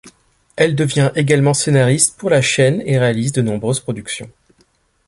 Elle devient également scénariste pour la chaîne et réalise de nombreuses productions.